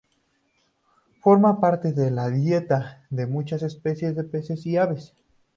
Forma parte de la dieta de muchas especies de peces y aves.